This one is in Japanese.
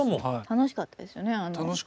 楽しかったですね。